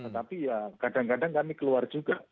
tetapi ya kadang kadang kami keluar juga